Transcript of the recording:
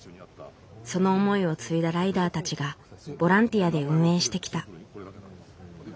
その思いを継いだライダーたちがボランティアで運営してきた。